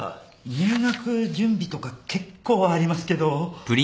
入学準備とか結構ありますけど。